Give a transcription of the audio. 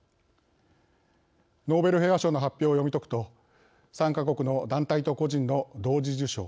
ノーベル平和賞の発表を読み解くと３か国の団体と個人の同時受賞。